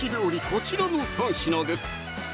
こちらの３品です